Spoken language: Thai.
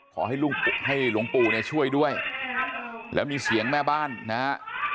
ขอให้หลวงปู่เนี่ยช่วยด้วยแล้วมีเสียงแม่บ้านนะฮะ